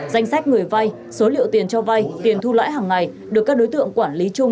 danh sách người vay số liệu tiền cho vay tiền thu lãi hàng ngày được các đối tượng quản lý chung